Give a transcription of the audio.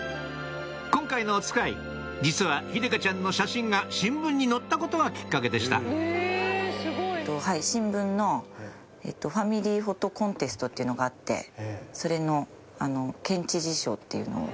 今回のおつかい実は秀香ちゃんの写真が新聞に載ったことがきっかけでした新聞のファミリーフォトコンテストっていうのがあってそれの県知事賞っていうのを。